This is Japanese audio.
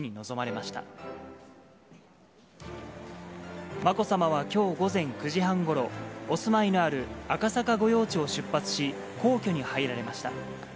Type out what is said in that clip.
まこさまはきょう午前９時半ごろ、お住まいのある赤坂御用地を出発し、皇居に入られました。